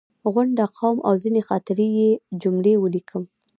غونډ، قوم او ځینې خاطرې یې جملې ولیکم.